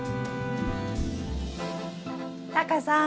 タカさん